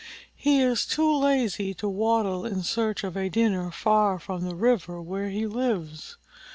He is too lazy to waddle in search of a dinner far from the river where he lives.